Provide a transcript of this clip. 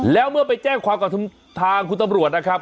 แล้วเมื่อไปแจ้งความกับทางคุณตำรวจนะครับ